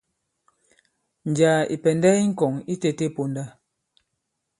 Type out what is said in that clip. Njàā ì pɛ̀ndɛ i ŋkɔ̀ŋ itētē ì ponda.